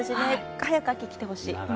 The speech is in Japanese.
早く秋が来てほしい。